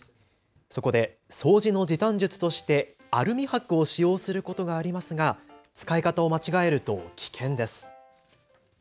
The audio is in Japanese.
そこで掃除の時短術としてアルミはくを使用することがありますが使い方を間違えると危険です。